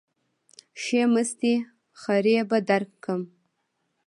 ښې مستې خرې به درکم.